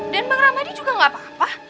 dan bang rahmadi juga gak apa apa